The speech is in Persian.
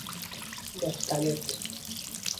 مختلظ